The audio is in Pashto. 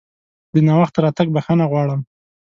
د ناوخته راتګ بښنه غواړم!